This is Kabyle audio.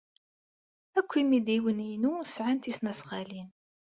Akk imidiwen-inu sɛan tisnasɣalin.